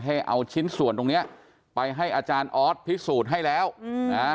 ให้เอาชิ้นส่วนตรงเนี้ยไปให้อาจารย์ออสพิสูจน์ให้แล้วนะ